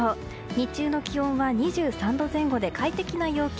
日中の気温は２３度前後で快適な陽気。